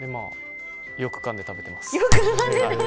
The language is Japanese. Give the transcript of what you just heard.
よくかんで食べています。